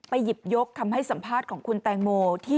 หยิบยกคำให้สัมภาษณ์ของคุณแตงโม